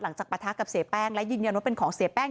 ปะทะกับเสียแป้งและยืนยันว่าเป็นของเสียแป้ง